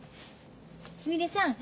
すみれさん